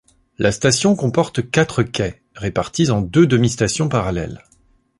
La station comporte quatre quais répartis en deux demi-stations parallèles.